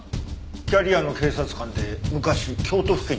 キャリアの警察官で昔京都府警にいたんだよ。